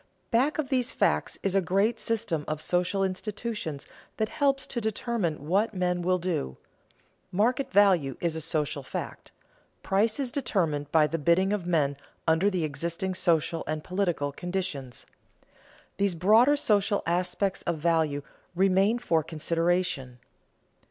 Back of these facts is a great system of social institutions that helps to determine what men will do. Market value is a social fact; price is determined by the bidding of men under the existing social and political conditions. These broader social aspects of value remain for consideration.